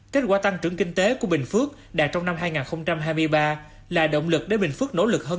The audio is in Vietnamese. kết quả tăng trưởng kinh tế của bình phước đạt trong năm hai nghìn hai mươi ba là động lực để bình phước nỗ lực hơn